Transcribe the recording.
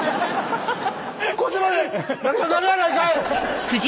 こっちまで泣きそうになるやないかい！